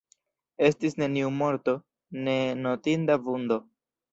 Estis neniu morto, ne notinda vundo.